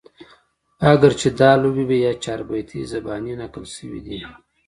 اګر چې دا لوبې يا چاربيتې زباني نقل شوي دي